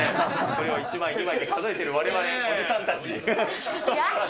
それを１枚２枚って数えてるわれわれおじさんたち。